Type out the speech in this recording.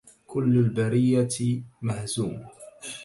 كل البريةِ مهزوم